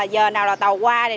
giờ nào là tàu qua